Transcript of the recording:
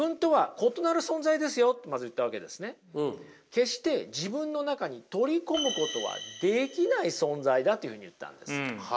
決して自分の中に取り込むことはできない存在だというふうに言ったんです。